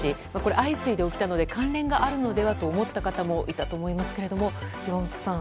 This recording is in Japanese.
相次いで起きたので関連があるのではと思った方もいたと思いますけれども岩本さん。